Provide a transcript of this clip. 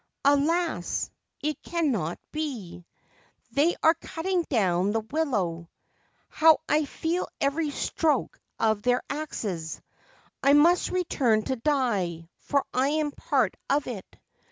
Alas, it cannot be ! They are cutting down the willow. How I feel every stroke of their axes ! I must return to die, for I am part of it.